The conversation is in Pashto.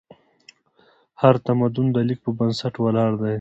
هر تمدن د لیک په بنسټ ولاړ دی.